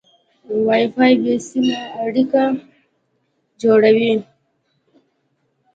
وای فای بې سیمه اړیکه جوړوي.